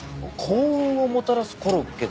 幸運をもたらすコロッケ？